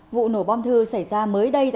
vụ nổ bom thư xảy ra mới đáng nhớ